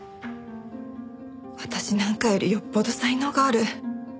私なんかよりよっぽど才能がある。